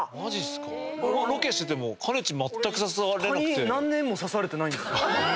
蚊に何年も刺されてないんですよ。